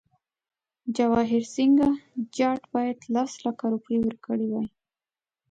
جواهرسینګه جاټ باید لس لکه روپۍ ورکړي وای.